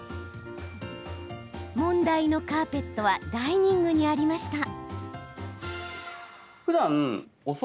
問題のカーペットはダイニングにありました。